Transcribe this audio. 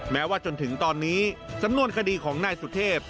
แม้ว่าจนถึงตอนนี้สำนวนคดีของนายสุเทพ